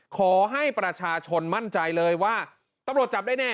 ขอให้ประชาชนมั่นใจเลยว่าตำรวจจับได้แน่